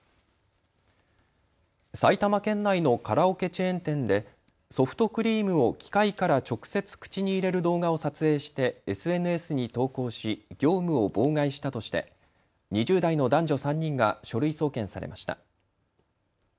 埼玉県内のカラオケチェーン店でソフトクリームを機械から直接口に入れる動画を撮影してＳＮＳに投稿し業務を妨害したとして２０代の男女３人が書類送検されました。